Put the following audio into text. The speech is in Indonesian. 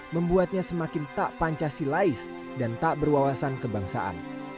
membuatnya semakin tak pancah silais dan tak berwawasan kebangsaan